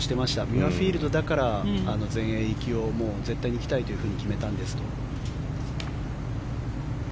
ミュアフィールドだから全英行きを絶対に行きたいと決めたんですと。